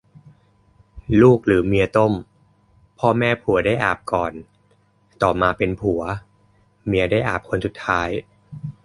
ลูกหรือเมียต้ม พ่อแม่ผัวได้อาบก่อน ต่อมาเป็นผัว เมียได้อาบคนสุดท้าย